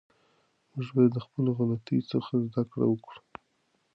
موږ باید د خپلو غلطیو څخه زده کړه وکړو.